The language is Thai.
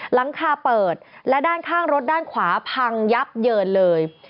หลังคาเปิดและด้านข้างรถด้านขวาพังยับเยินเลย